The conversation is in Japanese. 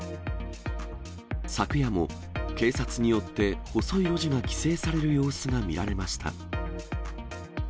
昨夜も、警察によって細い路地が規制される様子が見られました。